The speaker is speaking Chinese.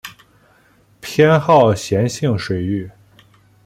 偏好咸性水域。